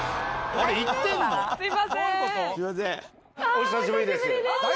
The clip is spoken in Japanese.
あお久しぶりです。